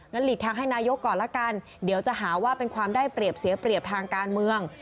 หลีกทางให้นายกก่อนละกันเดี๋ยวจะหาว่าเป็นความได้เปรียบเสียเปรียบทางการเมือง